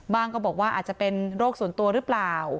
ก็บอกว่าอาจจะเป็นโรคส่วนตัวหรือเปล่า